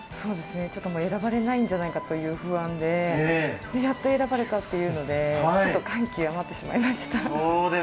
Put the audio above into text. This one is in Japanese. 選ばれないんじゃないかという不安でやっと選ばれた！というので感極まってしまいました。